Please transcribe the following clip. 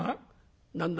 「何だ？